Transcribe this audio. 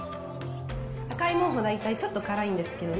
赤いモホは、大体ちょっと辛いんですけどね。